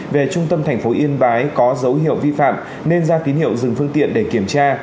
về trung tâm thành phố yên bái có dấu hiệu vi phạm nên ra tín hiệu dừng phương tiện để kiểm tra